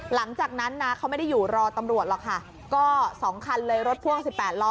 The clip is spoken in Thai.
หลังจากนั้นนะเขาไม่ได้อยู่รอตำรวจหรอกค่ะก็๒คันเลยรถพ่วง๑๘ล้อ